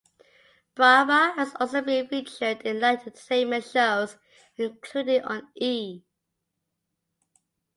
Brava has also been featured in light entertainment shows, including on E!